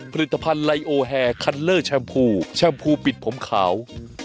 ผลิตภัณฑ์ไลโอแฮคันเลอร์แชมพูแชมพูปิดผมขาว